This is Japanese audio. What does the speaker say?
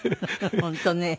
本当ね。